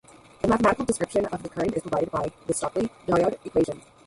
The mathematical description of the current is provided by the Shockley diode equation.